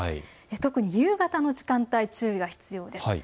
特に夕方の時間帯、注意が必要です。